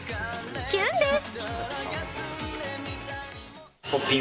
キュンです！